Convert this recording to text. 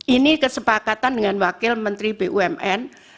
ini kesepakatan dengan wakil menteri bumn